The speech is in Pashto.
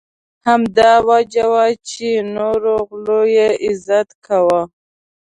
همدا وجه وه چې نورو غلو یې عزت کاوه.